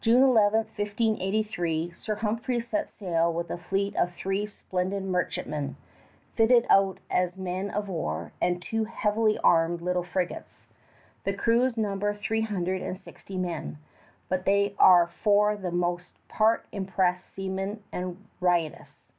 June 11, 1583, Sir Humphrey sets sail with a fleet of three splendid merchantmen, fitted out as men of war, and two heavily armed little frigates. The crews number three hundred and sixty men, but they are for the most part impressed seamen and riotous.